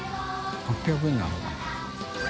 ８００円なのかな？